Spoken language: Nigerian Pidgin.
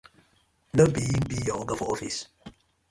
No bi him bi yu oga for office?